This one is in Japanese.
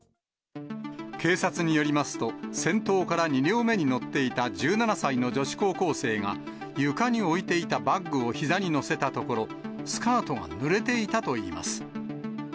警察によりますと、先頭から２両目に乗っていた１７歳の女子高校生が、床に置いていたバッグをひざに乗せたところ、スカートがぬれていたといいます。